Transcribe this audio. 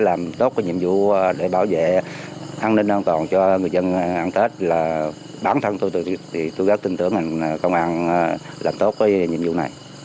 làm tốt cái nhiệm vụ để bảo vệ an ninh an toàn cho người dân ăn tết là bản thân tôi thì tôi rất tin tưởng rằng công an làm tốt cái nhiệm vụ này